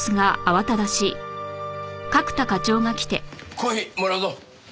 コーヒーもらうぞ。